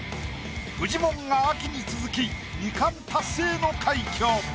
フジモンが秋に続き２冠達成の快挙。